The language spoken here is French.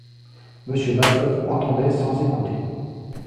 Monsieur Mabeuf entendait sans écouter.